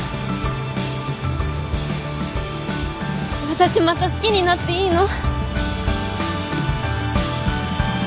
私また好きになっていいの？